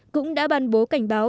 cũng đã bàn bố cảnh báo